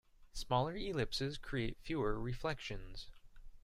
Smaller ellipses create fewer reflections.